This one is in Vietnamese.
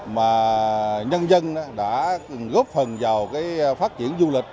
mà nhân dân đã góp phần vào phát triển du lịch